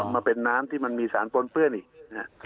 มาเป็นน้ำที่มันมีสารปนเปื้อนอีก